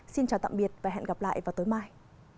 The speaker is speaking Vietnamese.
xin chào tạm biệt và hẹn gặp lại vào tối mai